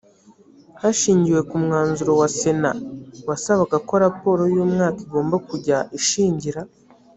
hashingiwe ku mwanzuro wa sena wasabaga ko raporo y umwaka igomba kujya ishingira